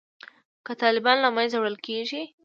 که طالبان له منځه وړل کیږي